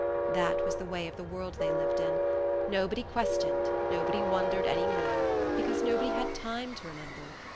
That was the way of the world they lived in. Nobody questioned, nobody wondered any more because nobody had time to remember.